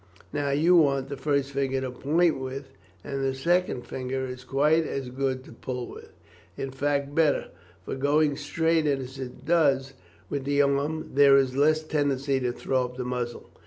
Now, you want the first finger to point with, the second finger is quite as good to pull with, in fact better, for going straight, as it does, with the arm, there is less tendency to throw up the muzzle.